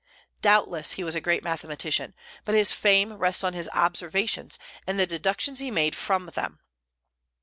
Doubtless he was a great mathematician, but his fame rests on his observations and the deductions he made from them.